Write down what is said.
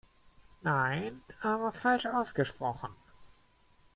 Nein, aber falsch ausgesprochen.